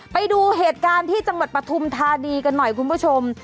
ไปดูเหตุการณ์ที่จังหวัดปฐุมธานีกันหน่อยคุณผู้ชม